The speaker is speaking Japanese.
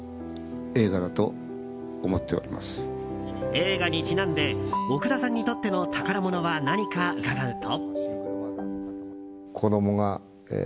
映画にちなんで奥田さんにとっての宝物は何か伺うと。